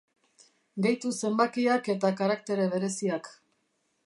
Gehitu zenbakiak eta karaktere bereziak.